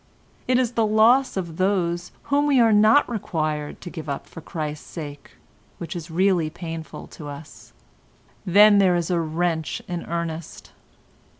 It is the loss of those whom we are not required to give up for Christ's sake which is really painful to us. Then there is a wrench in earnest.